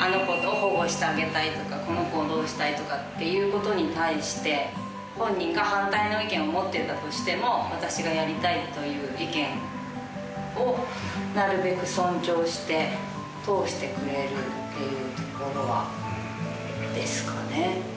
あの子を保護してあげたいとかこの子をどうしたいとかっていうことに対して本人が反対の意見を持ってたとしても私がやりたいという意見をなるべく尊重して通してくれるっていうところですかね。